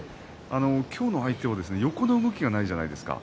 今日の相手は横の動きがないじゃないですか。